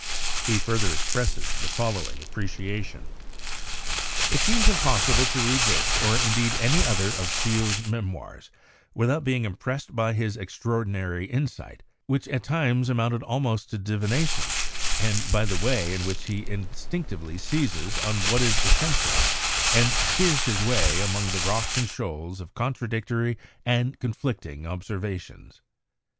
He further expresses the following apprecia tion: "It is impossible to read this, or indeed any other of Scheele's memoirs, without being impressed by his ex traordinary insight, which at times amounted almost to divination, and by the way in which he instinctively seizes on what is essential and steers his way among the rocks and shoals of contradictory and conflicting observations.